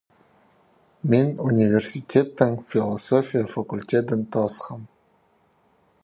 Мин университеттің философия факультедін тоосхам.